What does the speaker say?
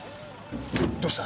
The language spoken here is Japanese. どうした？